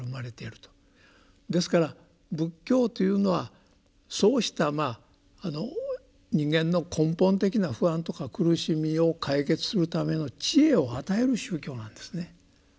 ですから仏教というのはそうした人間の根本的な不安とか苦しみを解決するための智慧を与える宗教なんですね。